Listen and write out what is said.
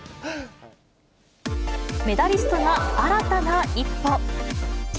メダリストが新たな一歩。